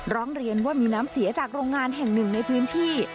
ร้องเรียนว่ามีน้ำเสียจากโรงงานแห่งหนึ่งในพื้นที่